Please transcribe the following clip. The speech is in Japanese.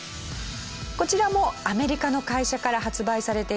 こちらもアメリカの会社から発売されています。